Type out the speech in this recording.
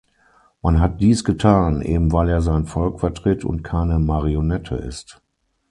Man hat dies getan, eben weil er sein Volk vertritt und keine Marionette ist.